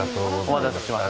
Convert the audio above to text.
お待たせしました。